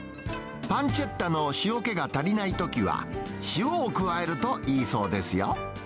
パンチェッタの塩気が足りないときは、塩を加えるといいそうです